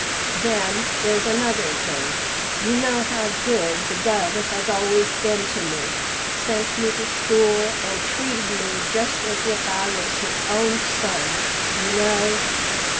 Then there's another thing; you know how good the guv has always been to me sent me to school, and treated me just as if I was his own son, you know."